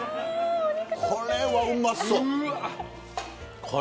これは、うまそう。